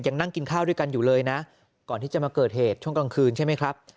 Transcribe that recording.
นั่งกินข้าวด้วยกันอยู่เลยนะก่อนที่จะมาเกิดเหตุช่วงกลางคืนใช่ไหมครับ